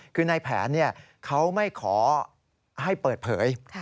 คือในแผนเขาไม่ขอให้เปิดเผย